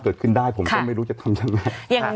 เกิดขึ้นได้ผมก็ไม่รู้จะทำยังไง